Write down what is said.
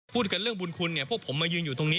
พูดกันเรื่องบุญคุณเนี่ยพวกผมมายืนอยู่ตรงนี้